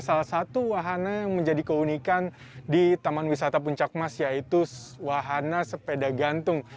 salah satu wahana yang menjadi keunikan di taman wisata puncak mas yaitu wahana sepeda gantung